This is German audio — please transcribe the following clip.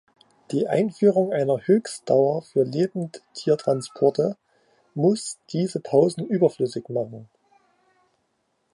Die Einführung einer Höchstdauer für Lebendtiertransporte muss diese Pausen überflüssig machen.